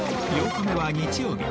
８日目は日曜日